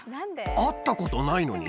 会ったことないのに？